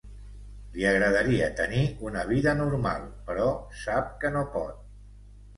Li agradaria tenir una vida normal, però sap que no pot.